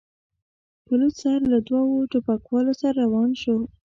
په لوڅ سر له دوو ټوپکوالو سره روان شو.